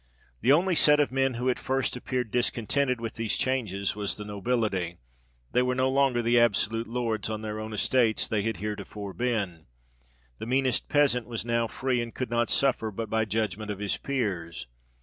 The only set of men who at first appeared dis contented with these changes was the nobility ; they were no longer the absolute Lords on their own estates they had heretofore been : the meanest peasant was now free, and could not suffer but by judgement of his peers.